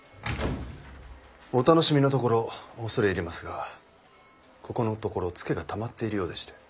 お楽しみのところ恐れ入りますがここのところツケがたまっているようでして。